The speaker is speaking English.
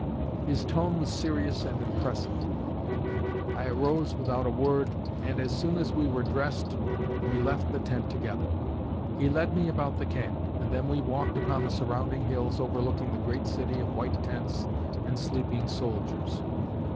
His tone was serious and impressive. I arose without a word, and as soon as we were dressed we left the tent together. He led me about the camp, and then we walked upon the surrounding hills overlooking the great city of white tents and sleeping soldiers.